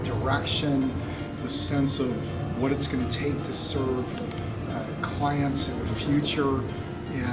perhatian tentang apa yang akan diperlukan untuk melayan klien di masa depan